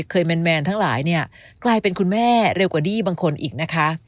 แมนทั้งหลายเนี่ยกลายเป็นคุณแม่เร็วกว่าดี้บางคนอีกนะคะ